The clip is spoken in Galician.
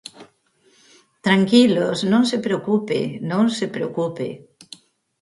Tranquilos, non se preocupe, non se preocupe.